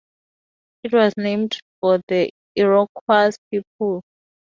It was named for the Iroquois people.